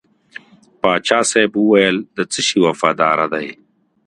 پاچا صاحب وویل د څه شي وفاداره دی.